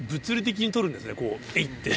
こうえい！って。